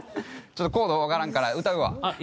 ちょっとコードわからんから歌うわ。